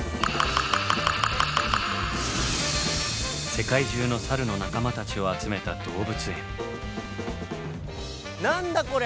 世界中のサルの仲間たちを集めた動物園。